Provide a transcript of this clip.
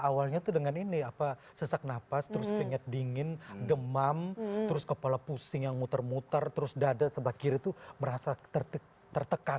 awalnya itu dengan ini apa sesak napas terus keringat dingin demam terus kepala pusing yang muter muter terus dada sebelah kiri itu merasa tertekan